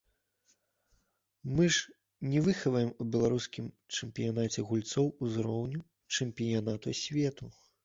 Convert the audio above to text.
Мы ж не выхаваем у беларускім чэмпіянаце гульцоў узроўню чэмпіянату свету.